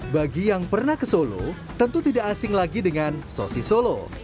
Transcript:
bagi yang pernah ke solo tentu tidak asing lagi dengan sosis solo